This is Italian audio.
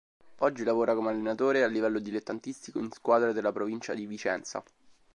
Oggi lavora come allenatore a livello dilettantistico in squadre della provincia di Vicenza.